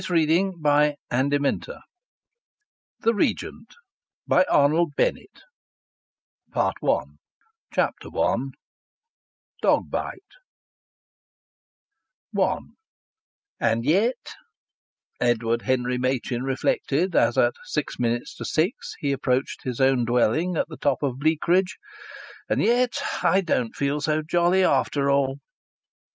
DEALING WITH ELSIE IX. THE FIRST NIGHT X. ISABEL THE REGENT PART I CHAPTER I DOG BITE I "And yet," Edward Henry Machin reflected as at six minutes to six he approached his own dwelling at the top of Bleakridge, "and yet I don't feel so jolly after all!"